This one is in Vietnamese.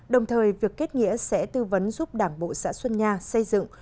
đồng thời việc kết nghĩa sẽ tư vấn giúp đảng bộ xã xuân nha xây dựng